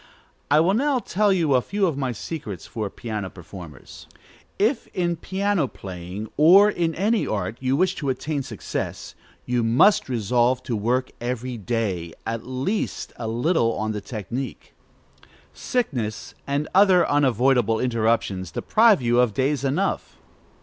I will now tell you a few of my secrets for piano performers. If in piano playing, or in any art, you wish to attain success, you must resolve to work every day, at least a little, on the technique. Sickness and other unavoidable interruptions deprive you of days enough.